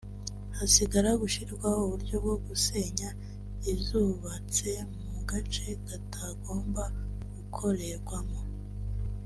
hasigara gushyirwaho uburyo bwo gusenya izubatse mu gace katagomba gukorerwamo